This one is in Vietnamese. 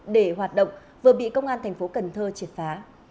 để hoạt động vừa bị công an thành phố cần thơ triệt phá